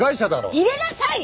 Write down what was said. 入れなさいよ！